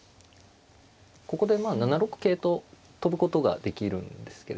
ここでまあ７六桂と跳ぶことができるんですけれどもね